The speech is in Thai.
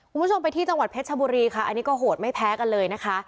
คุณผู้ชมไปที่จังหวัดเพชรชบุรีค่ะอันนี้ก็โหดไม่แพ้กันเลยนะคะ